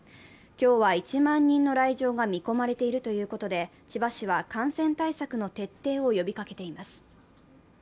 今日は１万人の来場が見込まれているということで、千葉市は感染対策の徹底を呼びかけています。